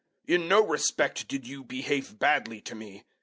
In no respect did you behave badly to me.